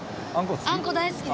あんこ好き？